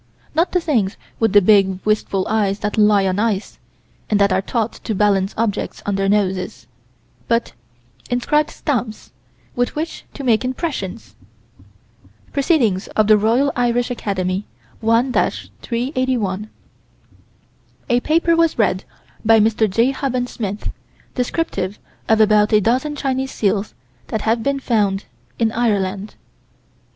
Not the things with the big, wistful eyes that lie on ice, and that are taught to balance objects on their noses but inscribed stamps, with which to make impressions. Proc. Roy. Irish Acad., 1 381: A paper was read by Mr. J. Huband Smith, descriptive of about a dozen Chinese seals that had been found in Ireland.